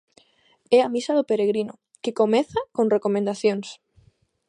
É a misa do peregrino, que comeza con recomendacións.